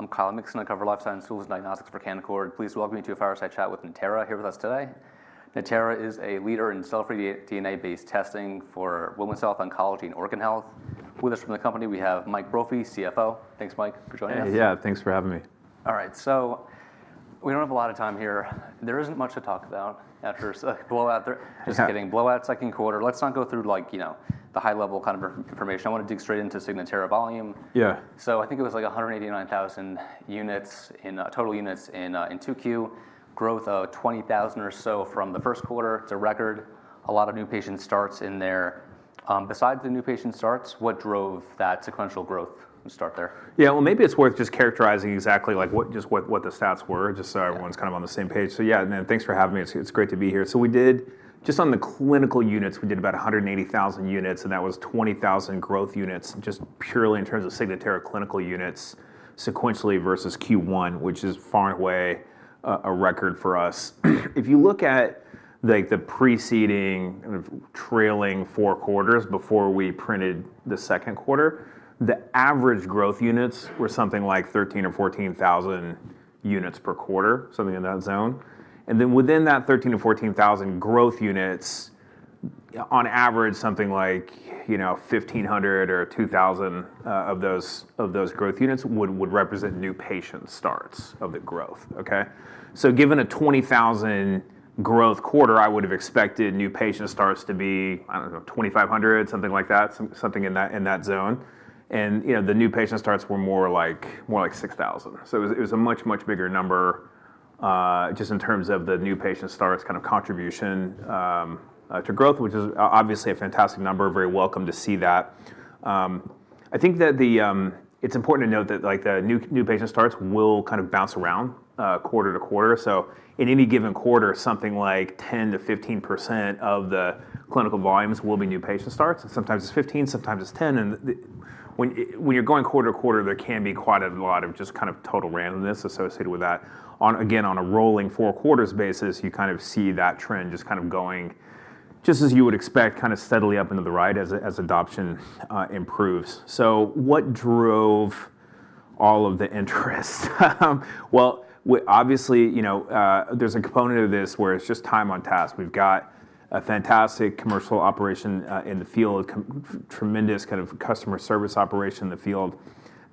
I'm Kyle Nixon. I cover Life Sciences Tools and Diagnostics for Canaccord. Please welcome you to a fireside chat with Natera here with us today. Natera is a leader in self-regulated DNA-based testing for women's health, oncology, and organ health. With us from the company, we have Mike Brophy, CFO. Thanks, Mike, for joining us. Yeah, thanks for having me. All right, we don't have a lot of time here. There isn't much to talk about after blowout. Just kidding. Blowout second quarter. Let's not go through, like, the high-level kind of information. I want to dig straight into Signatera volume. Yeah. I think it was like 189,000 units in total units in 2Q, growth of 20,000 or so from the first quarter. It's a record. A lot of new patient starts in there. Besides the new patient starts, what drove that sequential growth? We'll start there. Yeah, maybe it's worth just characterizing exactly what the stats were, just so everyone's kind of on the same page. Yeah, man, thanks for having me. It's great to be here. We did, just on the clinical units, about 180,000 units, and that was 20,000 growth units, just purely in terms of Signatera clinical units sequentially versus Q1, which is far and away a record for us. If you look at the preceding trailing four quarters before we printed the second quarter, the average growth units were something like 13,000 or 14,000 units per quarter, something in that zone. Within that 13,000 to 14,000 growth units, on average, something like 1,500 or 2,000 of those growth units would represent new patient starts of the growth. Given a 20,000 growth quarter, I would have expected new patient starts to be, I don't know, 2,500, something like that, something in that zone. The new patient starts were more like 6,000. It was a much, much bigger number just in terms of the new patient starts contribution to growth, which is obviously a fantastic number. Very welcome to see that. I think that it's important to note that the new patient starts will kind of bounce around quarter to quarter. In any given quarter, something like 10%-15% of the clinical volumes will be new patient starts. Sometimes it's 15%, sometimes it's 10%. When you're going quarter to quarter, there can be quite a lot of just kind of total randomness associated with that. Again, on a rolling four quarters basis, you kind of see that trend just going just as you would expect, kind of steadily up into the right as adoption improves. What drove all of the interest? Obviously, there's a component of this where it's just time on task. We've got a fantastic commercial operation in the field, tremendous customer service operation in the field.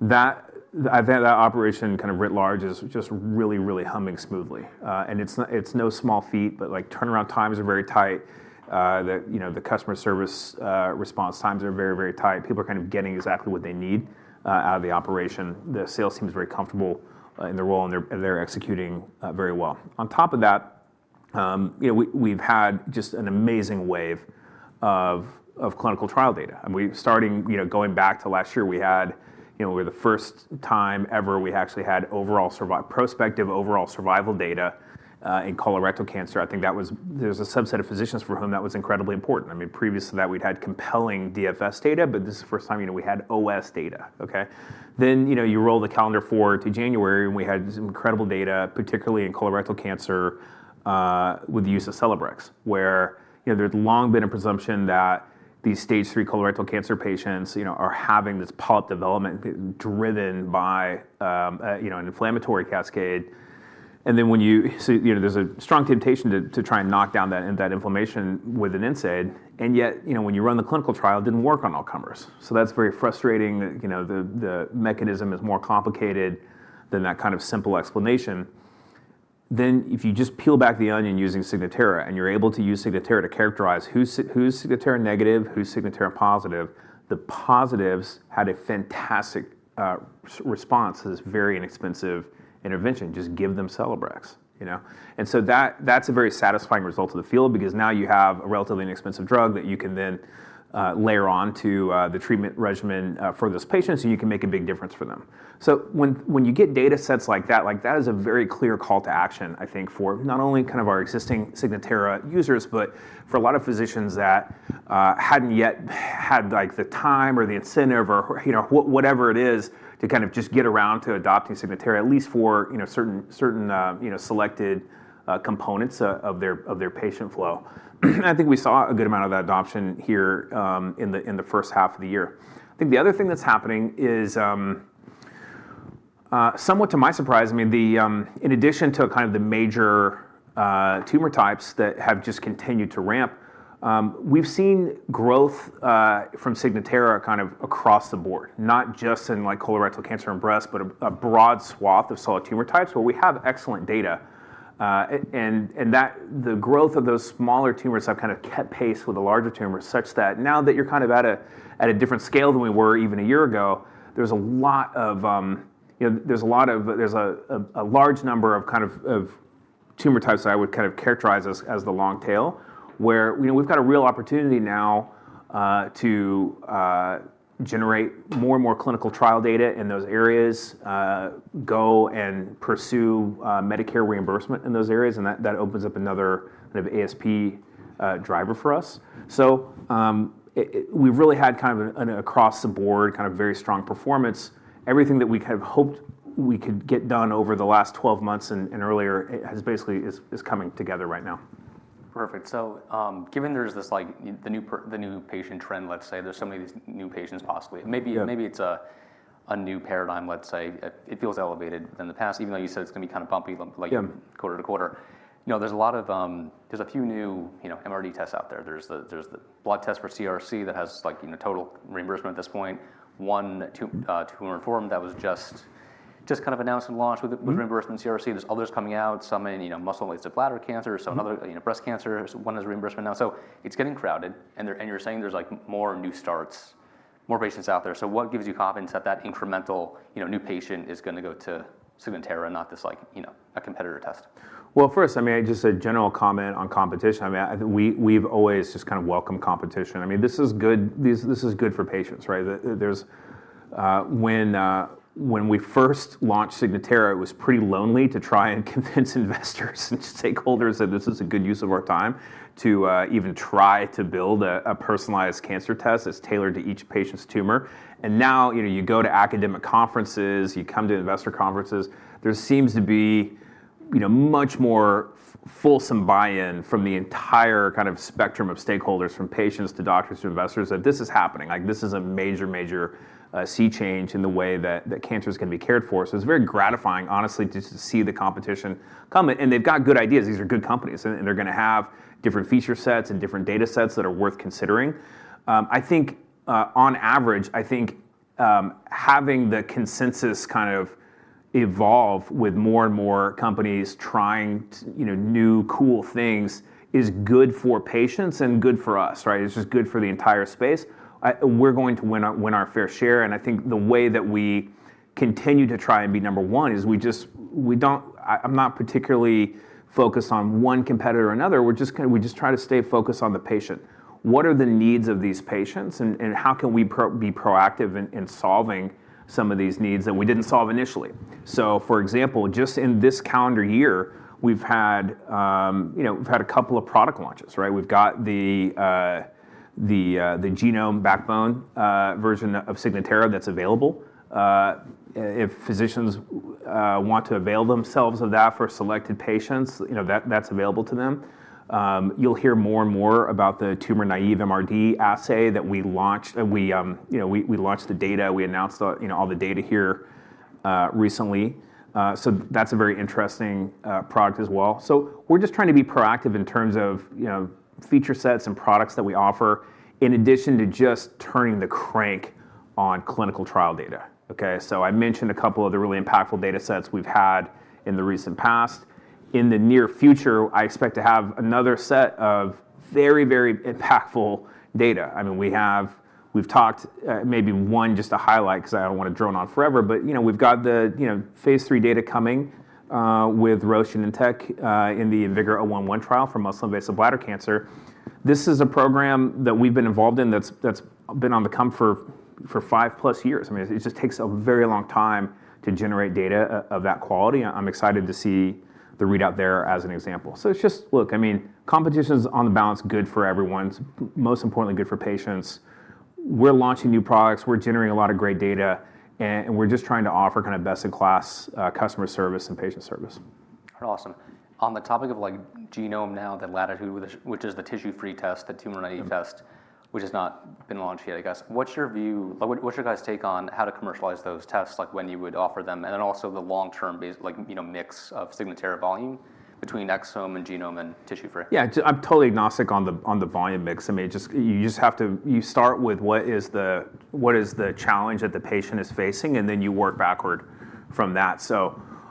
That operation writ large is just really, really humming smoothly. It's no small feat, but turnaround times are very tight. The customer service response times are very, very tight. People are kind of getting exactly what they need out of the operation. The sales team is very comfortable in their role, and they're executing very well. On top of that, we've had just an amazing wave of clinical trial data. I mean, starting, you know, going back to last year, we had, you know, for the first time ever we actually had overall prospective overall survival data in colorectal cancer. I think that was, there's a subset of physicians for whom that was incredibly important. Previous to that, we'd had compelling DFS data, but this is the first time, you know, we had OS data. You roll the calendar forward to January, and we had incredible data, particularly in colorectal cancer with the use of Celebrex, where, you know, there had long been a presumption that these stage 3 colorectal cancer patients, you know, are having this polyp development driven by, you know, an inflammatory cascade. There is a strong temptation to try and knock down that inflammation with an NSAID. Yet, you know, when you run the clinical trial, it didn't work on all comers. That's very frustrating. The mechanism is more complicated than that kind of simple explanation. If you just peel back the onion using Signatera and you're able to use Signatera to characterize who's Signatera negative, who's Signatera positive, the positives had a fantastic response to this very inexpensive intervention. Just give them Celebrex, you know. That's a very satisfying result to the field because now you have a relatively inexpensive drug that you can then layer onto the treatment regimen for those patients, and you can make a big difference for them. When you get data sets like that, like that is a very clear call to action, I think, for not only kind of our existing Signatera users, but for a lot of physicians that hadn't yet had like the time or the incentive or, you know, whatever it is to kind of just get around to adopting Signatera, at least for, you know, certain, you know, selected components of their patient flow. I think we saw a good amount of adoption here in the first half of the year. The other thing that's happening is, somewhat to my surprise, I mean, in addition to kind of the major tumor types that have just continued to ramp, we've seen growth from Signatera kind of across the board, not just in like colorectal cancer and breast, but a broad swath of solid tumor types where we have excellent data. The growth of those smaller tumors has kind of kept pace with the larger tumors, such that now that you're kind of at a different scale than we were even a year ago, there's a large number of tumor types that I would characterize as the long tail, where we've got a real opportunity now to generate more and more clinical trial data in those areas, go and pursue Medicare reimbursement in those areas. That opens up another kind of ASP driver for us. We've really had an across-the-board very strong performance. Everything that we kind of hoped we could get done over the last 12 months and earlier is basically coming together right now. Perfect. Given there's this new patient trend, let's say there's so many new patients possibly, maybe it's a new paradigm, it feels elevated than the past, even though you said it's going to be kind of bumpy, like quarter to quarter. There's a lot of, there's a few new MRD tests out there. There's the blood test for CRC that has total reimbursement at this point. One tumor form that was just announced and launched with reimbursement CRC. There's others coming out, some in muscle-elastic bladder cancer, some in other breast cancer. One is reimbursement now. It's getting crowded. You're saying there's more new starts, more patients out there. What gives you confidence that that incremental new patient is going to go to Signatera, not a competitor test? First, I just said general comment on competition. We've always just kind of welcomed competition. This is good. This is good for patients, right? When we first launched Signatera, it was pretty lonely to try and convince investors and stakeholders that this is a good use of our time to even try to build a personalized cancer test that's tailored to each patient's tumor. Now, you go to academic conferences, you come to investor conferences, there seems to be much more fulsome buy-in from the entire kind of spectrum of stakeholders, from patients to doctors to investors, that this is happening. This is a major, major sea change in the way that cancer is going to be cared for. It's very gratifying, honestly, to see the competition come. They've got good ideas. These are good companies. They're going to have different feature sets and different data sets that are worth considering. I think, on average, having the consensus kind of evolve with more and more companies trying new cool things is good for patients and good for us, right? It's just good for the entire space. We're going to win our fair share. I think the way that we continue to try and be number one is we just, we don't, I'm not particularly focused on one competitor or another. We're just going to, we just try to stay focused on the patient. What are the needs of these patients? How can we be proactive in solving some of these needs that we didn't solve initially? For example, just in this calendar year, we've had a couple of product launches, right? We've got the genome backbone version of Signatera that's available. If physicians want to avail themselves of that for selected patients, that's available to them. You'll hear more and more about the tumor-naive MRD assay that we launched. We launched the data. We announced all the data here recently. That's a very interesting product as well. We're just trying to be proactive in terms of feature sets and products that we offer in addition to just turning the crank on clinical trial data. I mentioned a couple of the really impactful data sets we've had in the recent past. In the near future, I expect to have another set of very, very impactful data. We have talked, maybe one just to highlight because I don't want to drone on forever, but we've got the phase three data coming with Rocean Intech in the IMvigor011 trial for muscle invasive bladder cancer. This is a program that we've been involved in that's been on the come for 5+ years. It just takes a very long time to generate data of that quality. I'm excited to see the readout there as an example. Competition is on the balance, good for everyone, most importantly, good for patients. We're launching new products, we're generating a lot of great data, and we're just trying to offer kind of best-in-class customer service and patient service. Awesome. On the topic of genome now, the latitude, which is the tissue-free test, the tumor-naive test, which has not been launched yet, I guess. What's your view? What's your guys' take on how to commercialize those tests, like when you would offer them? Also, the long-term, basically, mix of Signatera volume between exome and genome and tissue-free? Yeah, I'm totally agnostic on the volume mix. I mean, you just have to, you start with what is the challenge that the patient is facing, and then you work backward from that.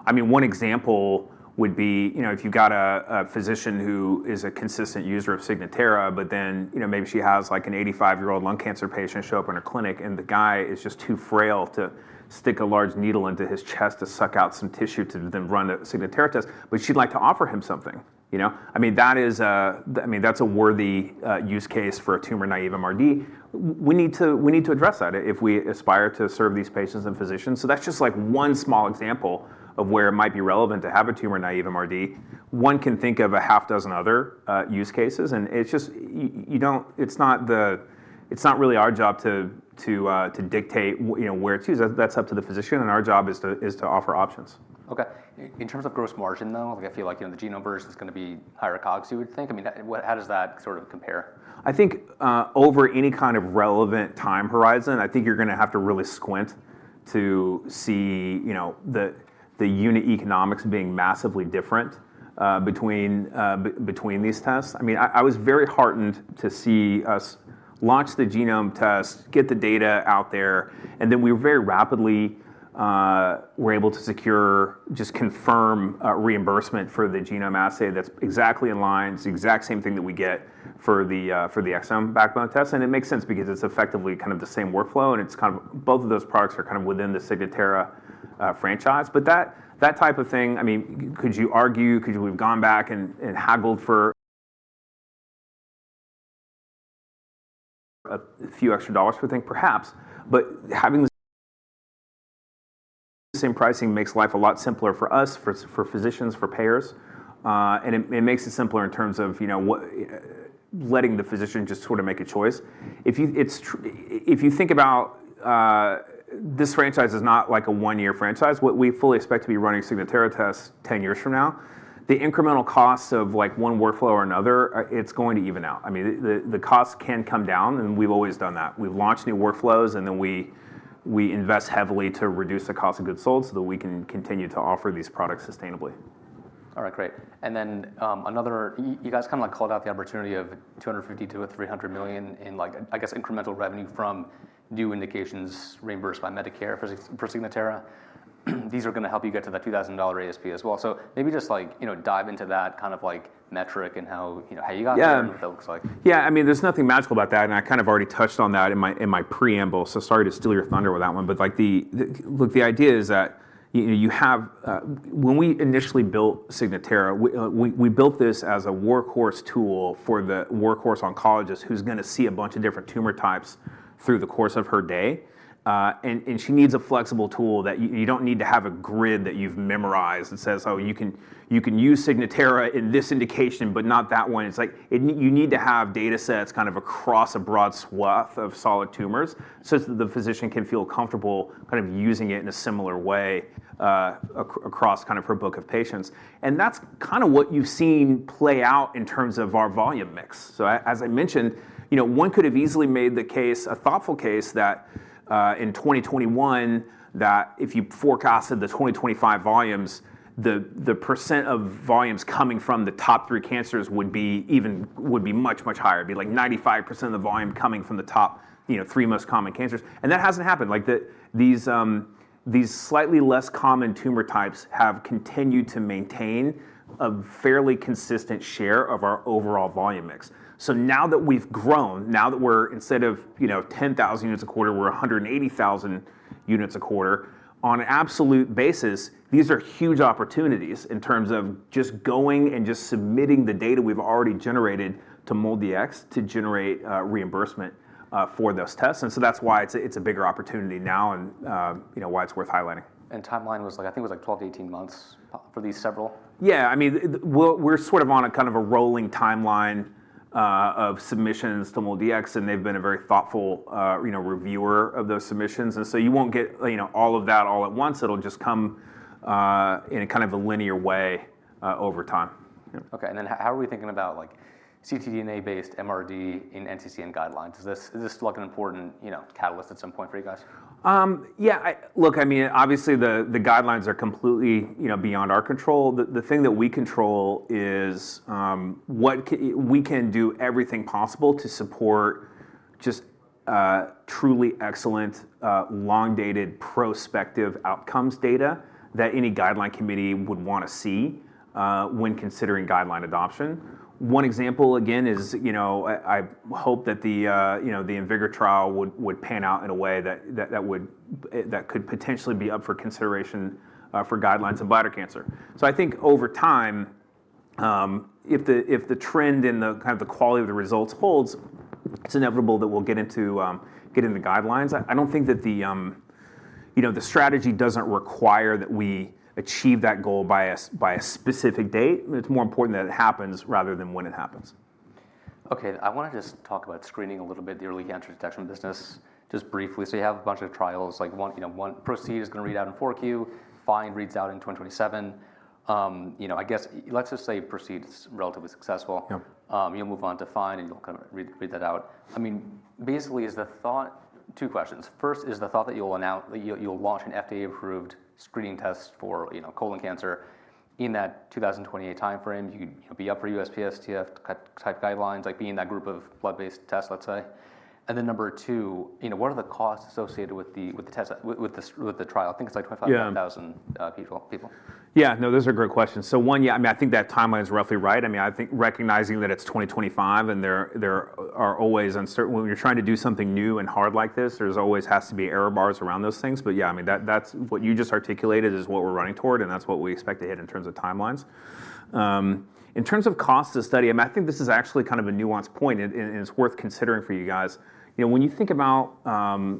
I mean, one example would be, you know, if you've got a physician who is a consistent user of Signatera, but then maybe she has like an 85-year-old lung cancer patient show up in her clinic, and the guy is just too frail to stick a large needle into his chest to suck out some tissue to then run a Signatera test, but she'd like to offer him something, you know. That is a worthy use case for a tumor-naive MRD. We need to address that if we aspire to serve these patients and physicians. That's just one small example of where it might be relevant to have a tumor-naive MRD. One can think of a half dozen other use cases. It's not really our job to dictate where to choose. That's up to the physician. Our job is to offer options. Okay. In terms of gross margin though, I feel like, you know, the genome backbone version is going to be higher cost, you would think. I mean, how does that sort of compare? I think over any kind of relevant time horizon, you're going to have to really squint to see the unit economics being massively different between these tests. I was very heartened to see us launch the genome test, get the data out there, and then we were very rapidly able to secure, just confirm reimbursement for the genome assay that's exactly in line, it's the exact same thing that we get for the exome backbone test. It makes sense because it's effectively kind of the same workflow, and both of those products are within the Signatera franchise. That type of thing, could you argue, could you have gone back and haggled for a few extra dollars for a thing perhaps. Having the same pricing makes life a lot simpler for us, for physicians, for payers. It makes it simpler in terms of letting the physician just sort of make a choice. If you think about this franchise, it's not like a one-year franchise. We fully expect to be running Signatera tests 10 years from now. The incremental costs of one workflow or another, it's going to even out. The costs can come down, and we've always done that. We've launched new workflows, and then we invest heavily to reduce the cost of goods sold so that we can continue to offer these products sustainably. All right, great. Another, you guys kind of called out the opportunity of $252 million-$300 million in, I guess, incremental revenue from new indications reimbursed by Medicare for Signatera. These are going to help you get to the $2,000 ASP as well. Maybe just dive into that metric and how you got there, what that looks like. Yeah, I mean, there's nothing magical about that. I kind of already touched on that in my preamble. Sorry to steal your thunder with that one. The idea is that you have, when we initially built Signatera, we built this as a workhorse tool for the workhorse oncologist who's going to see a bunch of different tumor types through the course of her day. She needs a flexible tool that you don't need to have a grid that you've memorized that says, oh, you can use Signatera in this indication, but not that one. You need to have data sets kind of across a broad swath of solid tumors such that the physician can feel comfortable kind of using it in a similar way across her book of patients. That's what you've seen play out in terms of our volume mix. As I mentioned, one could have easily made the case, a thoughtful case that in 2021, if you forecasted the 2025 volumes, the percent of volumes coming from the top three cancers would be even, would be much, much higher. It'd be like 95% of the volume coming from the top three most common cancers. That hasn't happened. These slightly less common tumor types have continued to maintain a fairly consistent share of our overall volume mix. Now that we've grown, now that we're instead of 10,000 units a quarter, we're 180,000 units a quarter. On an absolute basis, these are huge opportunities in terms of just going and just submitting the data we've already generated to MolDx to generate reimbursement for those tests. That's why it's a bigger opportunity now and why it's worth highlighting. The timeline was like, I think it was like 12 months-18 months for these several? Yeah, I mean, we're sort of on a kind of a rolling timeline of submissions to MolDx. They've been a very thoughtful, you know, reviewer of those submissions. You won't get, you know, all of that all at once. It'll just come in a kind of a linear way over time. Okay. How are we thinking about like ctDNA-based MRD in NCCN guidelines? Does this look like an important, you know, catalyst at some point for you guys? Yeah, look, obviously the guidelines are completely beyond our control. The thing that we control is what we can do, everything possible to support just truly excellent, long-dated prospective outcomes data that any guideline committee would want to see when considering guideline adoption. One example, again, is I hope that the IMvigor trial would pan out in a way that could potentially be up for consideration for guidelines in bladder cancer. I think over time, if the trend in the kind of the quality of the results holds, it's inevitable that we'll get into the guidelines. I don't think that the strategy requires that we achieve that goal by a specific date. It's more important that it happens rather than when it happens. Okay. I want to just talk about screening a little bit, the early cancer detection business, just briefly. You have a bunch of trials, like one, you know, one PROCEED is going to read out in 4Q, FIND reads out in 2027. I guess let's just say PROCEED is relatively successful. You'll move on to FIND and you'll kind of read that out. Basically, is the thought, two questions. First, is the thought that you'll announce, you'll launch an FDA-approved screening test for, you know, colon cancer in that 2028 timeframe? You'd be up for USPSTF type guidelines, like being in that group of blood-based tests, let's say. Number two, what are the costs associated with the test, with the trial? I think it's like 25,000 people. Yeah, no, those are great questions. One, yeah, I mean, I think that timeline is roughly right. I mean, I think recognizing that it's 2025 and there are always uncertainties, when you're trying to do something new and hard like this, there always has to be error bars around those things. Yeah, I mean, what you just articulated is what we're running toward. That's what we expect to hit in terms of timelines. In terms of cost of the study, I think this is actually kind of a nuanced point, and it's worth considering for you guys. When you think about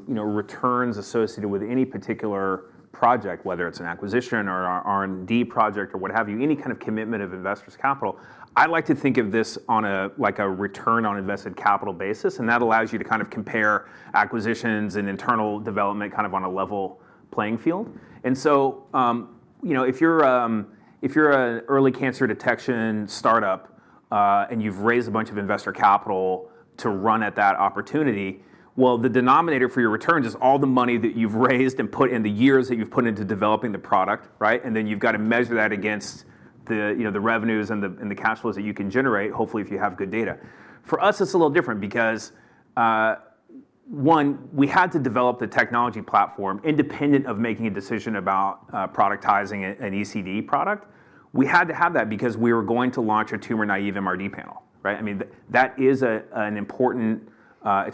returns associated with any particular project, whether it's an acquisition or R&D project or what have you, any kind of commitment of investors' capital, I like to think of this on a return on invested capital basis. That allows you to compare acquisitions and internal development on a level playing field. If you're an early cancer detection startup and you've raised a bunch of investor capital to run at that opportunity, the denominator for your returns is all the money that you've raised and put in, the years that you've put into developing the product, right? Then you've got to measure that against the revenues and the cash flows that you can generate, hopefully if you have good data. For us, it's a little different because, one, we had to develop the technology platform independent of making a decision about productizing an early cancer detection product. We had to have that because we were going to launch a tumor-naive MRD panel, right? That is an important,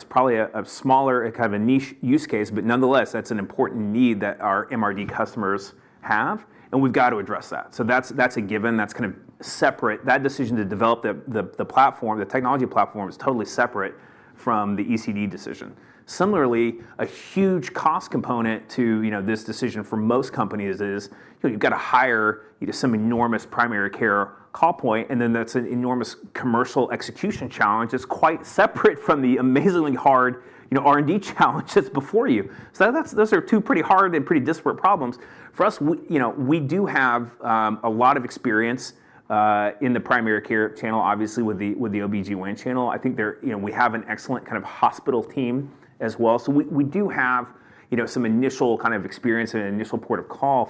probably a smaller kind of a niche use case, but nonetheless, that's an important need that our MRD customers have, and we've got to address that. That's a given. That's kind of separate. That decision to develop the platform, the technology platform, is totally separate from the early cancer detection decision. Similarly, a huge cost component to this decision for most companies is you've got to hire some enormous primary care call point, and that's an enormous commercial execution challenge. It's quite separate from the amazingly hard R&D challenge that's before you. Those are two pretty hard and pretty disparate problems. For us, we do have a lot of experience in the primary care channel, obviously with the OB-GYN channel. I think there, we have an excellent kind of hospital team as well. We do have some initial kind of experience and an initial port of call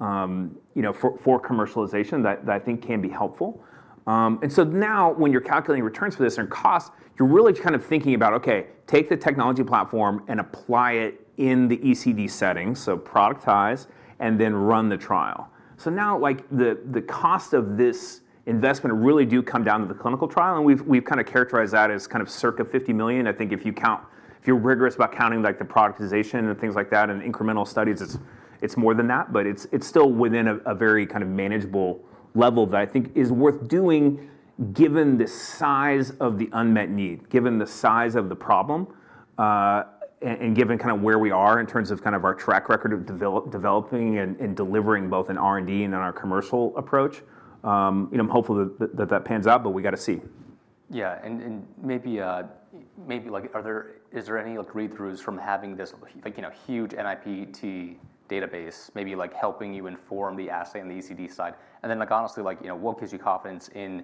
for commercialization that I think can be helpful. Now, when you're calculating returns for this and costs, you're really kind of thinking about, okay, take the technology platform and apply it in the ECD settings, so productize, and then run the trial. The cost of this investment really does come down to the clinical trial. We've kind of characterized that as circa $50 million. I think if you're rigorous about counting the productization and things like that and incremental studies, it's more than that. It's still within a very manageable level that I think is worth doing given the size of the unmet need, given the size of the problem, and given where we are in terms of our track record of developing and delivering both an R&D and then our commercial approach. I'm hopeful that that pans out, but we got to see. Yeah, maybe, are there any read-throughs from having this huge NIPT database, maybe helping you inform the assay on the ECD side? Honestly, what gives you confidence in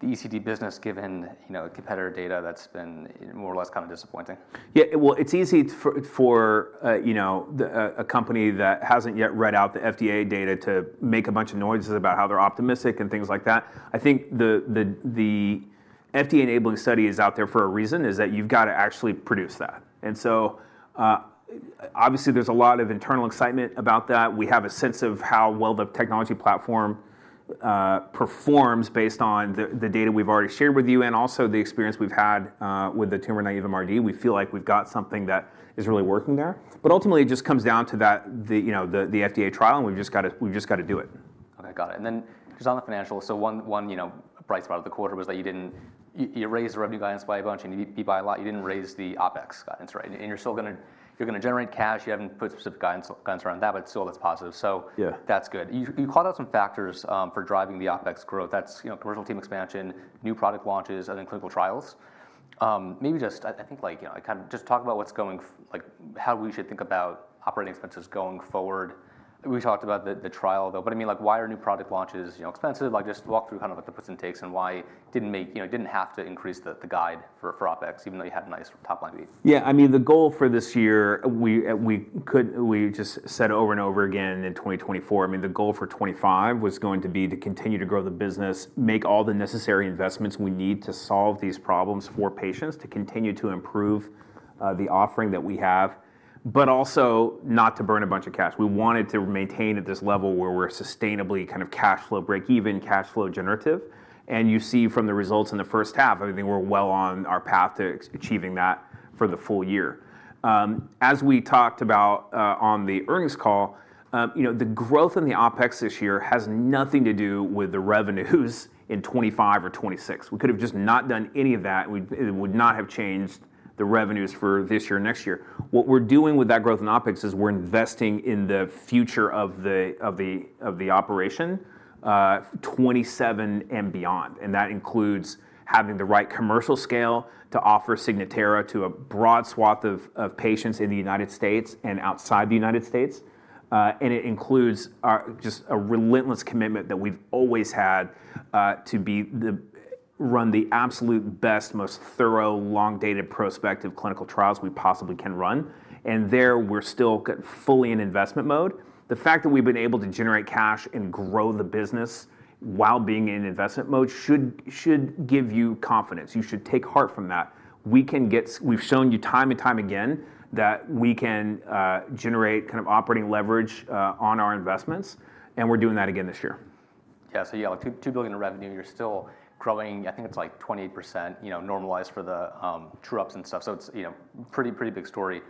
the ECD business given competitor data that's been more or less kind of disappointing? Yeah, it's easy for, you know, a company that hasn't yet read out the FDA data to make a bunch of noises about how they're optimistic and things like that. I think the FDA enabling study is out there for a reason, that you've got to actually produce that. Obviously, there's a lot of internal excitement about that. We have a sense of how well the technology platform performs based on the data we've already shared with you and also the experience we've had with the tumor-naive MRD. We feel like we've got something that is really working there. Ultimately, it just comes down to that, you know, the FDA trial and we've just got to do it. Okay, got it. Just on the financials, one bright spot of the quarter was that you raised the revenue guidance by a bunch and you raised it by a lot. You didn't raise the OpEx guidance, right? You're still going to generate cash. You haven't put specific guidance around that, but still that's positive. That's good. You called out some factors for driving the OpEx growth, that's commercial team expansion, new product launches, and clinical trials. Maybe just talk about what's going on, like how we should think about operating expenses going forward. We talked about the trial, but why are new product launches expensive? Just walk through the puts and takes and why it didn't make you have to increase the guide for OpEx, even though you had a nice top line beat. Yeah, I mean, the goal for this year, we just said over and over again in 2024, the goal for 2025 was going to be to continue to grow the business, make all the necessary investments we need to solve these problems for patients to continue to improve the offering that we have, but also not to burn a bunch of cash. We wanted to maintain at this level where we're sustainably kind of cash flow break-even, cash flow generative. You see from the results in the first half, I think we're well on our path to achieving that for the full year. As we talked about on the earnings call, the growth in the OpEx this year has nothing to do with the revenues in 2025 or 2026. We could have just not done any of that. It would not have changed the revenues for this year or next year. What we're doing with that growth in OpEx is we're investing in the future of the operation, 2027 and beyond. That includes having the right commercial scale to offer Signatera to a broad swath of patients in the United States and outside the United States. It includes just a relentless commitment that we've always had to run the absolute best, most thorough, long-dated prospective clinical trials we possibly can run. There we're still fully in investment mode. The fact that we've been able to generate cash and grow the business while being in investment mode should give you confidence. You should take heart from that. We've shown you time and time again that we can generate kind of operating leverage on our investments. We're doing that again this year. Yeah, like $2 billion in revenue. You're still growing, I think it's like 28%, you know, normalized for the true ups and stuff. It's a pretty big story.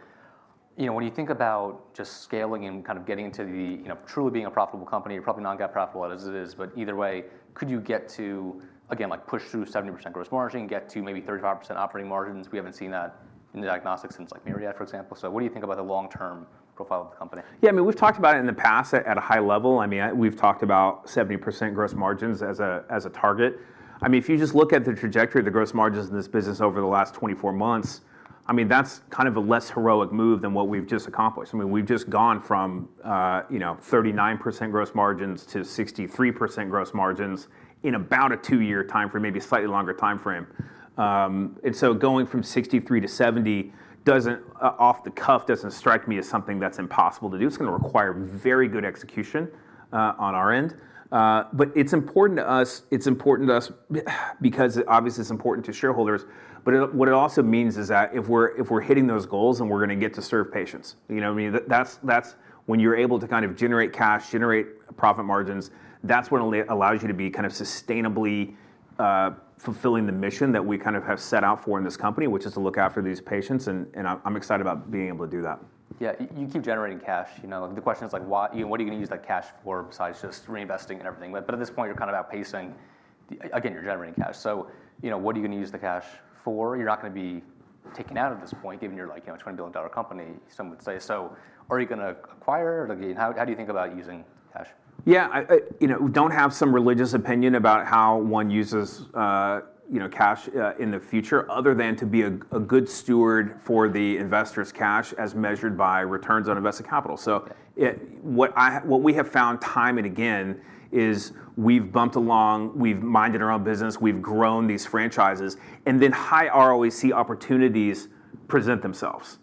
When you think about just scaling and kind of getting to truly being a profitable company, you're probably not that profitable as it is, but either way, could you get to, again, like push through 70% gross margin and get to maybe 35% operating margins? We haven't seen that in the diagnostics since like Maridat, for example. What do you think about the long-term profile of the company? Yeah, I mean, we've talked about it in the past at a high level. We've talked about 70% gross margins as a target. If you just look at the trajectory of the gross margins in this business over the last 24 months, that's kind of a less heroic move than what we've just accomplished. We've just gone from 39% gross margins to 63% gross margins in about a two-year timeframe, maybe slightly longer timeframe. Going from 63% to 70% doesn't, off the cuff, strike me as something that's impossible to do. It's going to require very good execution on our end. It's important to us because obviously it's important to shareholders. What it also means is that if we're hitting those goals and we're going to get to serve patients, that's when you're able to kind of generate cash, generate profit margins. That's what allows you to be kind of sustainably fulfilling the mission that we have set out for in this company, which is to look after these patients. I'm excited about being able to do that. Yeah, you keep generating cash. The question is, what are you going to use that cash for besides just reinvesting and everything? At this point, you're kind of outpacing. Again, you're generating cash. What are you going to use the cash for? You're not going to be taken out at this point, given you're like, you know, a $20 billion company, some would say. Are you going to acquire it? Again, how do you think about using cash? Yeah, you know, don't have some religious opinion about how one uses, you know, cash in the future other than to be a good steward for the investors' cash as measured by returns on invested capital. What we have found time and again is we've bumped along, we've minded our own business, we've grown these franchises, and then high ROIC opportunities present themselves.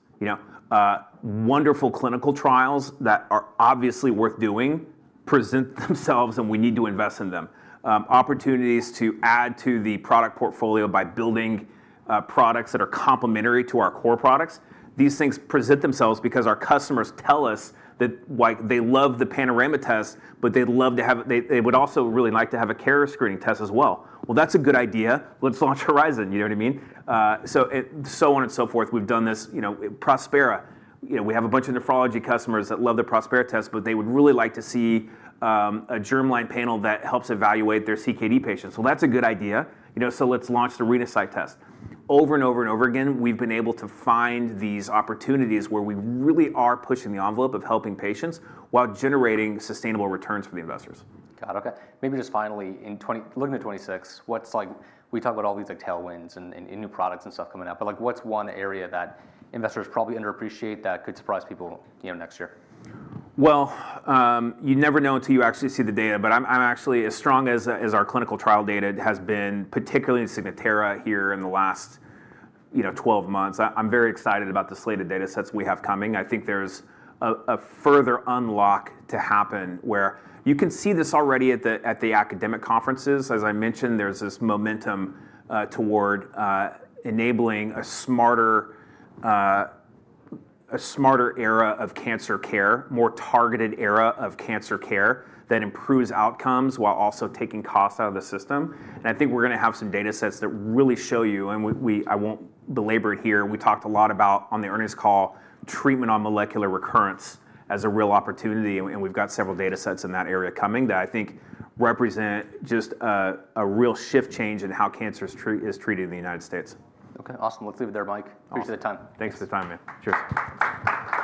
Wonderful clinical trials that are obviously worth doing present themselves, and we need to invest in them. Opportunities to add to the product portfolio by building products that are complementary to our core products. These things present themselves because our customers tell us that they love the Panorama test, but they'd also really like to have a carrier screening test as well. That's a good idea. Let's launch Horizon, you know what I mean? We've done this, you know, Prospera. We have a bunch of nephrology customers that love the Prospera test, but they would really like to see a germline panel that helps evaluate their CKD patients. That's a good idea. Let's launch the Renasight test. Over and over and over again, we've been able to find these opportunities where we really are pushing the envelope of helping patients while generating sustainable returns for the investors. Got it. Okay. Maybe just finally, in looking at 2026, what's like, we talk about all these tailwinds and new products and stuff coming out, but what's one area that investors probably underappreciate that could surprise people next year? You never know until you actually see the data, but I'm actually as strong as our clinical trial data has been, particularly in Signatera here in the last 12 months. I'm very excited about the slated data sets we have coming. I think there's a further unlock to happen where you can see this already at the academic conferences. As I mentioned, there's this momentum toward enabling a smarter era of cancer care, a more targeted era of cancer care that improves outcomes while also taking costs out of the system. I think we're going to have some data sets that really show you, and I won't belabor it here. We talked a lot about on the earnings call, treatment on molecular recurrence as a real opportunity. We've got several data sets in that area coming that I think represent just a real shift change in how cancer is treated in the United States. Okay, awesome. Let's leave it there, Mike. Appreciate the time. Thanks for the time, man. Sure.